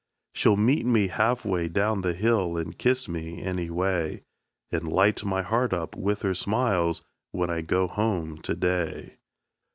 She'll meet me half way down the hill, and kiss me, any way; And light my heart up with her smiles, when I go home to day!